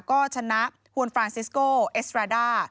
ก็ชนะฮวนฟรานซิสโกเอสตราด้า